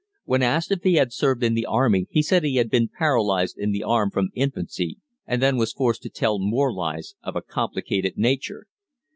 When asked if he had served in the army he said he had been paralyzed in the arm from infancy, and then was forced to tell more lies of a complicated nature.